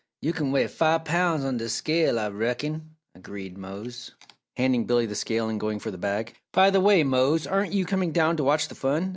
Yo' kin weigh five poun's on dis scale, Ah reckon," agreed Mose, handing Billy the scale and going for the bag. "By the way, Mose, aren't you coming down to watch the fun?"